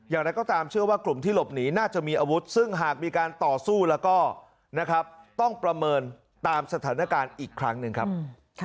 อย่างไรก็ตามเชื่อว่ากลุ่มที่หลบหนีน่าจะมีอาวุธซึ่งหากมีการต่อสู้แล้วก็นะครับต้องประเมินตามสถานการณ์อีกครั้งหนึ่งครับ